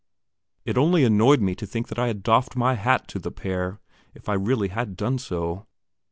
It only annoyed me to think that I had doffed my hat to the pair, if I really had done so.